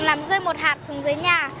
làm rơi một hạt xuống dưới nhà